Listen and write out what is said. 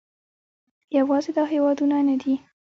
یوازې دا هېوادونه نه دي